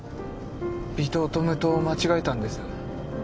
微糖と無糖を間違えたんです。